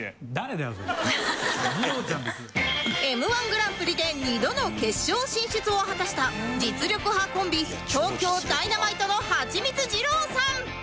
Ｍ−１ グランプリで２度の決勝進出を果たした実力派コンビ東京ダイナマイトのハチミツ二郎さん